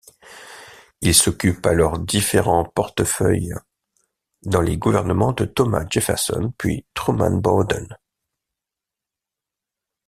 Il s'occupe alors différents portefeuille dans les gouvernement de Thomas Jefferson puis Truman Bodden.